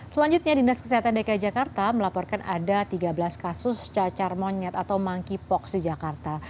selanjutnya dinas kesehatan dki jakarta melaporkan ada tiga belas kasus cacar monyet atau monkeypox di jakarta